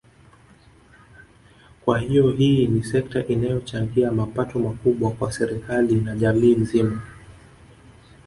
Kwa hiyo hii ni sekta inayochangia mapato makubwa kwa serikali na jamii nzima